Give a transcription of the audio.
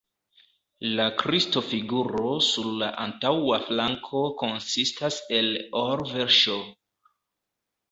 La Kristo-figuro sur la antaŭa flanko konsistas el or-verŝo.